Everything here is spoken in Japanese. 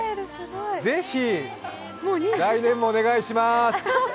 ぜひ来年もお願いしまーす。